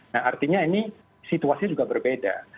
nah artinya ini situasi juga berbeda